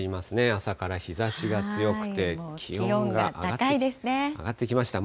朝から日ざしが強くて、気温が上がってきました。